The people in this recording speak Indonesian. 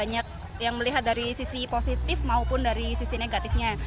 banyak yang melihat dari sisi positif maupun dari sisi negatifnya